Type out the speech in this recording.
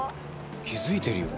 気付いてるよね。